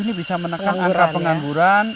ini bisa menekan angka pengangguran